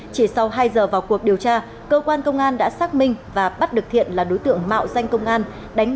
chỉ sau hai giờ vào cuộc điều tra cơ quan công an đã xác minh và bắt được thiện là đối tượng mạo danh công an